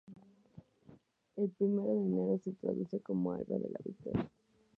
El Primero de Enero se traduce como alba de la Victoria.